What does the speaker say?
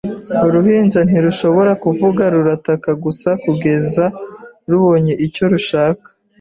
Uruhinja ntirushobora kuvuga, rurataka gusa kugeza rubonye icyo rushaka